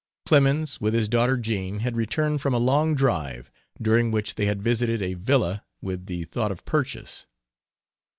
Clemens, with his daughter Jean, had returned from a long drive, during which they had visited a Villa with the thought of purchase.